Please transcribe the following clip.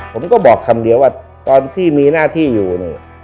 ผมก็บอกคำเดียวว่าตอนที่มีหน้าที่อยู่นี่